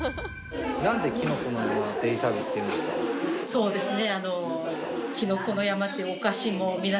そうですね。